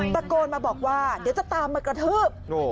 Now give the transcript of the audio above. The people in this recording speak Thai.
ตะโกนมาบอกว่าเดี๋ยวจะตามมากระทืบ